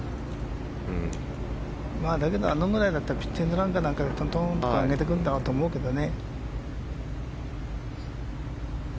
だけどあのぐらいだったらピッチングランかなんかでトントンと上げてくるんだろうと思うけどね。